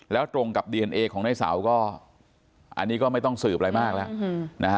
แล้วตรงกับดีเอนเอของในเสาก็อันนี้ก็ไม่ต้องสืบอะไรมากแล้วนะฮะ